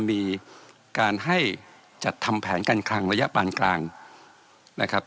มีการให้จัดทำแผนการคลังระยะปานกลางนะครับ